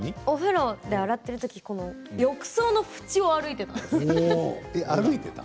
お風呂で洗っているときに浴槽の縁を歩いていたんです。